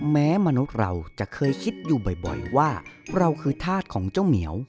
แม้มนุษย์เราจะเคยคิดอยู่บ่อยว่าเราคือธาตุของเจ้าเหมียว